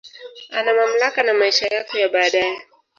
Ana mamlaka na maisha yako ya baadae